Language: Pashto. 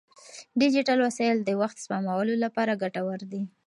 ډیجیټل وسایل د وخت سپمولو لپاره ګټور دي.